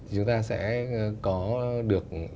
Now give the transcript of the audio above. chúng ta sẽ có được